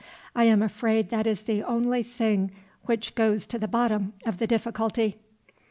I am afraid that is the only thing which goes to the bottom of the difficulty."